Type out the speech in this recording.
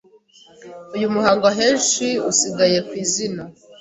Uyu muhango ahenshi usigaye ku izina,